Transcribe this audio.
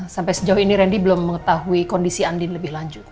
sampai sejauh ini randy belum mengetahui kondisi andin lebih lanjut